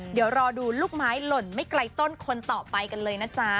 เดี๋ยวรอดูลูกไม้หล่นไม่ไกลต้นคนต่อไปกันเลยนะจ๊ะ